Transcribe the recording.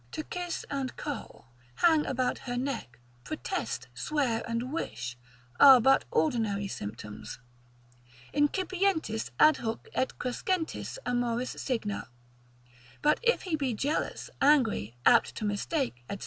To kiss and coll, hang about her neck, protest, swear and wish, are but ordinary symptoms, incipientis adhuc et crescentis amoris signa; but if he be jealous, angry, apt to mistake, &c.